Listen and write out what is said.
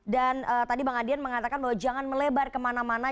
dan tadi bang adrian mengatakan bahwa jangan melebar kemana mana